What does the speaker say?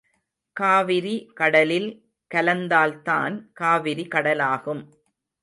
காவிரி கடலில் கலந்தால்தான் காவிரி கடலாகும்.